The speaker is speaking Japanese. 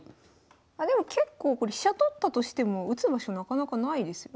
あでも結構これ飛車取ったとしても打つ場所なかなかないですよね。